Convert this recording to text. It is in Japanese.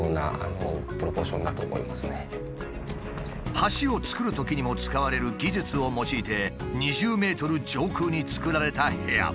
橋を造るときにも使われる技術を用いて２０ｍ上空に造られた部屋。